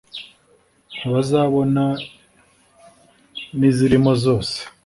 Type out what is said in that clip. Ntibazabona n' izirimo zose